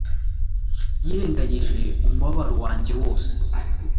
yirengagije umuburo wanjye wose